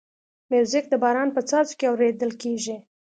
موزیک د باران په څاڅو کې اورېدل کېږي.